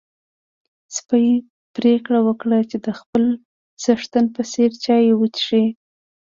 سپی پرېکړه وکړه چې د خپل څښتن په څېر چای وڅښي.